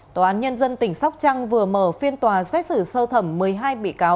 tòa án nhân dân tỉnh sóc trăng vừa mở phiên tòa xét xử sơ thẩm một mươi hai bị cáo